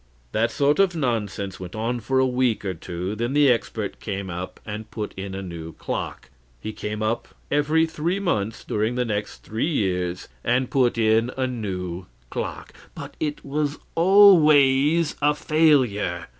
That sort of nonsense went on a week or two, then the expert came up and put in a new clock. He came up every three months during the next three years, and put in a new clock. But it was always a failure.